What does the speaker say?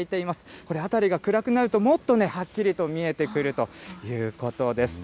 これ、あたりが暗くなると、もっとね、はっきりと見えてくるということです。